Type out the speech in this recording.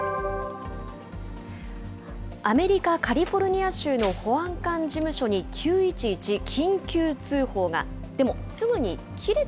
アメリカ・カリフォルニア州の保安官事務所に９１１・緊急通報が。